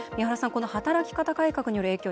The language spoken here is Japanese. この働き方改革による影響